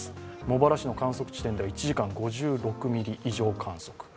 茂原市の観測地点では１時間５６ミリ以上観測。